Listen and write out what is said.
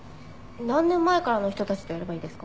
何年前からの人たちとやればいいですか？